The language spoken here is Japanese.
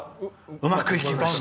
うまくいきました。